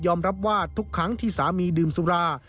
รับว่าทุกครั้งที่สามีดื่มสุรา